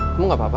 kamu gak apa apa